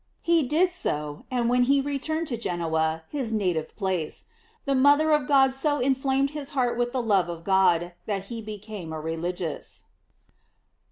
He did so, and when he returned to Genoa, his native place, Ihe mother of God so inflamed his heart with the love of God that he became a religious.